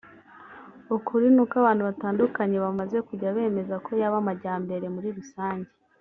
ukuri ni uko abantu batandukanye bamaze kujya bemeza ko yaba amajyambere muri rusange